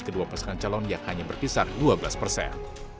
kedua pasangan calon yang hanya berkisar dua belas persen